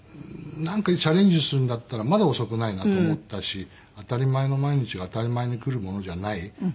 何かにチャレンジするんだったらまだ遅くないなと思ったし当たり前の毎日が当たり前に来るものじゃない。